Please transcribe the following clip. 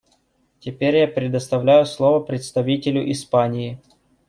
Теперь я предоставляю слово представителю Испании.